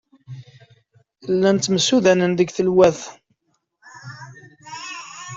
Llan ttemsudanen deg tenwalt.